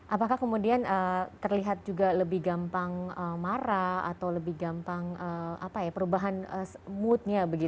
apakah kemudian terlihat juga lebih gampang marah atau lebih gampang perubahan mood nya begitu